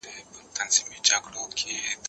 زه هره ورځ ږغ اورم؟!